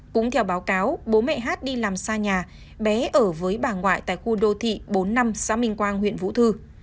cũng theo báo cáo bố mẹ hát đi làm xa nhà bé ở với bà ngoại tại khu đô thị bốn mươi năm xã minh quang huyện vũ thư